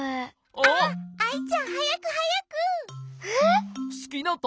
あっアイちゃんはやくはやく！